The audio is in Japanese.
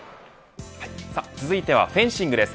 続いてはフェンシングです。